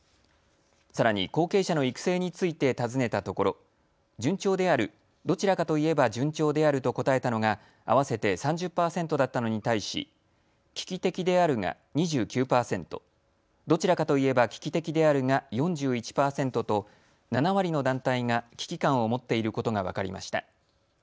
さらに後継者の育成について尋ねたところ順調である、どちらかといえば順調であると答えたのが合わせて３０％だったのに対し危機的であるが２９％、どちらかといえば危機的であるが４１％と７割の団体が危機感を持っていることが分かりました。